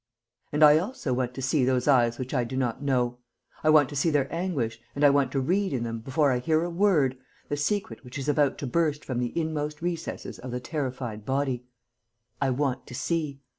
'And I also want to see those eyes which I do not know, I want to see their anguish and I want to read in them, before I hear a word, the secret which is about to burst from the inmost recesses of the terrified body. I want to see.